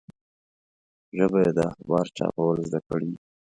ژبه یې د اخبار چاپول زده کړي وو.